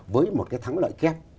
với một cái thắng lợi kép